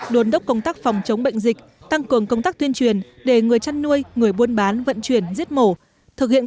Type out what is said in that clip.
đuôn đốc công tác phòng chống bệnh dịch tăng cường công tác tuyên truyền để người chăn nuôi